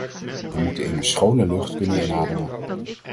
We moeten immers schone lucht kunnen inademen.